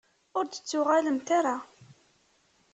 Ur d-tettuɣalemt ara.